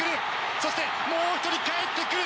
そして、もう１人かえってくる。